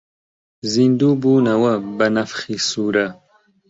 زیندوو بوونەوە بە نەفخی سوورە